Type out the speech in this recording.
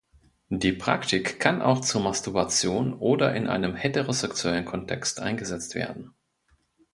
Die Praktik kann auch zur Masturbation oder in einem heterosexuellen Kontext eingesetzt werden.